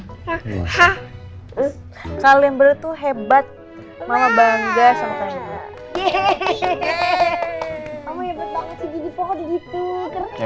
mama hebat banget sih jadi pokoknya gitu